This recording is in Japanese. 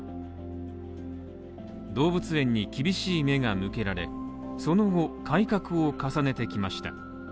動物園に厳しい目が向けられ、その後、改革を重ねてきました。